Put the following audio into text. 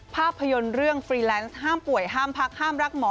ภาพยนตร์เรื่องฟรีแลนซ์ห้ามป่วยห้ามพักห้ามรักหมอ